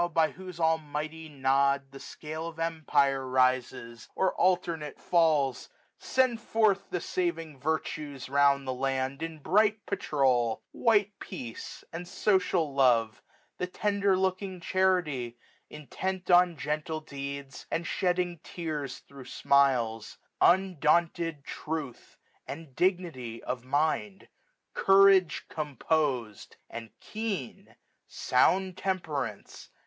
by whose almighty Nod the scale Of empire rises, or alternate falls ; Send forth the saving Virtues round the land. In bright patrol ; white Peace, and social Love ; The tender looking Charity, intent 1605 On gentle deeds, and shedding tears thro' smiles j Undaunted Truth, and Dignity of mind ; Courage composed, and keen ; sound Temperance, no SUMMER.